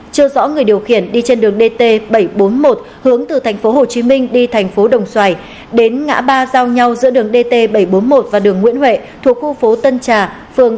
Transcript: trưa rõ người điều khiển đi trên đường dt bảy trăm bốn mươi một đoạn qua khu phố tân trà phường trà xuân thành phố đồng xoài tỉnh bình phước